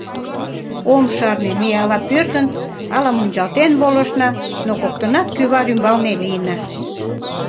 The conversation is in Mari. Ом шарне, ме ала пӧрдын, ала мунчалтен волышна, но коктынат кӱвар ӱмбалне лийна.